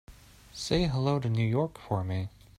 Say hello to New York for me.